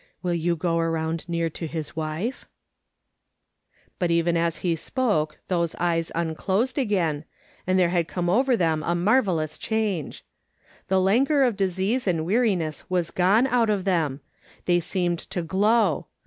AVill you go around near to his wife ?" But even as he spoke those eyes unclosed again, and there had come over them a marvellous change. The languor of disease and weariness was gone out of them ; they seemed to glow.